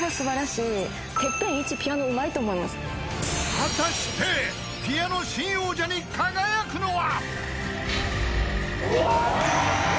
［果たしてピアノ新王者に輝くのは！？］